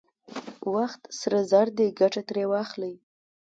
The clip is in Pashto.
وخت سره زر دی، ګټه ترې واخلئ!